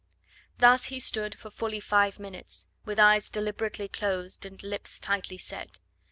Thus he stood for fully five minutes, with eyes deliberately closed and lips tightly set.